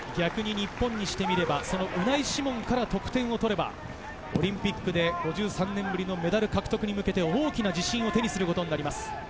日本にしてみればウナイ・シモンから得点を取れば、オリンピックで５３年ぶりのメダル獲得に向けて大きな自信を手にすることになります。